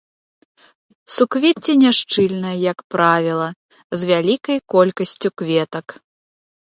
Суквецце няшчыльнае, як правіла, з вялікай колькасцю кветак.